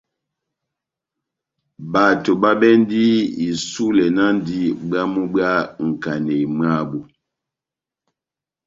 Bato babɛndi isulɛ náhndi bwamu bwá nkanéi mwabu.